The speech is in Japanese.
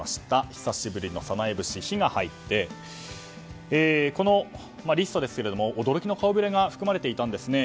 久しぶりの早苗節「ヒ」が入ってこのリストですが驚きの顔ぶれが含まれていたんですね。